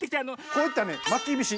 こういったね「まきびし」